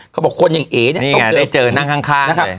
เขาบอกคนอย่างเอกเนี่ยไม่ได้เจอนั่งข้าง